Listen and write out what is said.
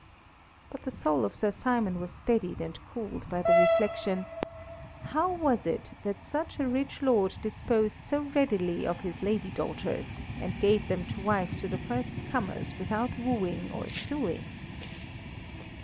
But the soul of Sir Simon was steadied and cooled by the reflection: How was it that such a rich lord disposed so readily of his lady daughters, and gave them to wife to the first comers without wooing or sueing?